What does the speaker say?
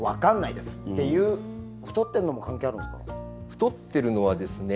太ってるのはですね